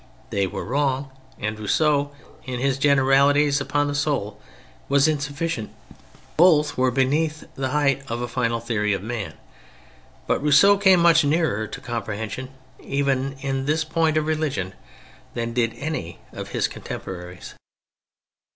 They were wrong — and Rousseau, in his generalities upon the soul, was insufficient ; both were beneath the height of a final theory of man, but Rousseau came much nearer to comprehen sion, even in this point of religion, than did any of his contemporaries.